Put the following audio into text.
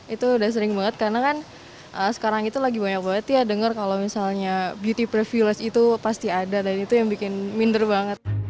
itu udah sering banget karena kan sekarang itu lagi banyak banget ya denger kalau misalnya beauty privilege itu pasti ada dan itu yang bikin minder banget